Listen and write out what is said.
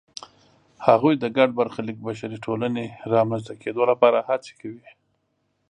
هغوی د ګډ برخلیک بشري ټولنې رامنځته کېدو لپاره هڅې کوي.